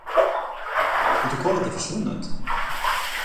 Protokollet är försvunnet?